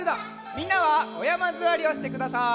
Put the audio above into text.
みんなはおやまずわりをしてください。